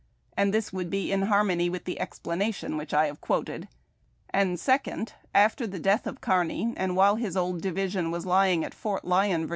and this would be in harmony with the explanation which I have quoted ; and, second, after the death of Kearny and while his old division was lying at Fort Lyon, Va.